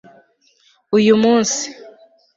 uyu munsi